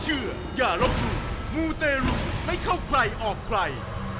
อุ๊ยอะไร